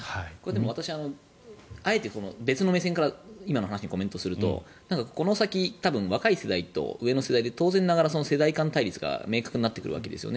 私、あえて別の目線から今の話にコメントするとこの先、若い世代と上の世代で世代間対立が明確になってくるわけですよね。